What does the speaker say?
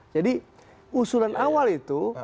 jadi usulan awal itu